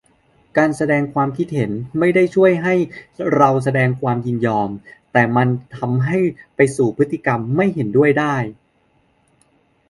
การแสดงความคิดเห็นไม่ได้ช่วยให้เราแสดงความยินยอม แต่มันทำให้ไปสู่พฤติกรรมไม่เห็นด้วยได้